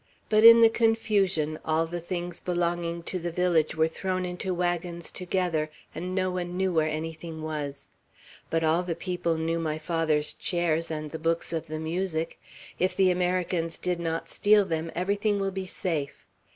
But in the confusion, all the things belonging to the village were thrown into wagons together, and no one knew where anything was. But all the people knew my father's chairs and the books of the music. If the Americans did not steal them, everything will be safe.